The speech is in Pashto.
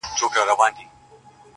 نه سل سرى اژدها په گېډه موړ سو،